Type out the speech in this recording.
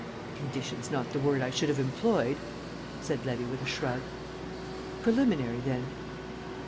"Condition's not the word I should have employed," said Levy, with a shrug. "Preliminary, then?"